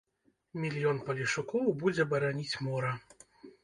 Мільён палешукоў будзе бараніць мора.